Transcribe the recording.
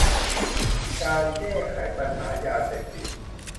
การแก้ไขปัญหายาเสพติด